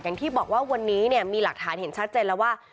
อย่างที่บอกว่าวันนี้เนี่ยมีหลักฐานเห็นชัดเจนแล้วว่า